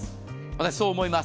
私、そう思います。